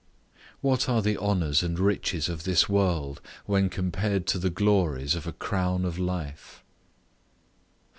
What are the honours and riches of this world, when compared to the glories of a crown of life?